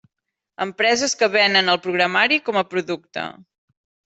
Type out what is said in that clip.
Empreses que venen el programari com a producte.